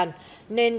nên đội cảnh sát